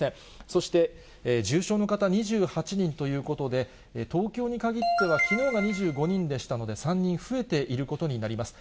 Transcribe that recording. そして重症の方２８人ということで、東京にかぎってはきのうが２５人でしたので、３人増えていることになります。